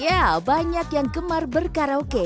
ya banyak yang gemar berkaraoke